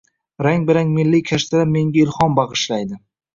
Rang-barang milliy kashtalar menga ilhom bag‘ishlaydi